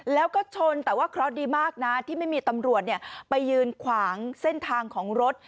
แล้วก็ชนแต่ว่าเคราะห์ดีมากนะที่ไม่มีตำรวจไปยืนขวางเส้นทางของรถ